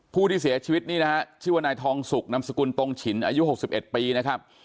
ผู้ที่เสียชีวิตนี่นะฮะชื่อว่านายทองสุกนำสกุลตรงฉินอายุ๖๑ปีนะครับ